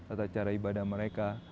atau cara ibadah mereka